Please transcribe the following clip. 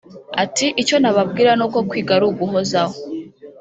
Ati“Icyo nababwira ni uko kwiga ari uguhozaho